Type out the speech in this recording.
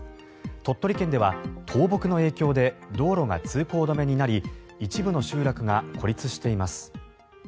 鳥取県では倒木の影響で道路が通行止めになり一部の集落が孤立しています。